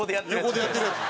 横でやってるやつ。